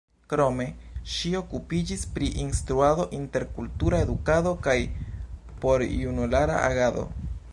Krome ŝi okupiĝis pri instruado, interkultura edukado kaj porjunulara agado.